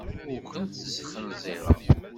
Ur kent-sxenzireɣ.